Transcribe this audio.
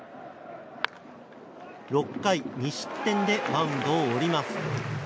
６回２失点でマウンドを降ります。